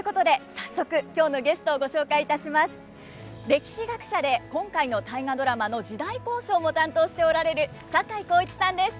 歴史学者で今回の「大河ドラマ」の時代考証も担当しておられる坂井孝一さんです。